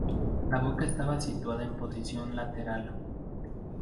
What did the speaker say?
La boca estaba situada en posición lateral.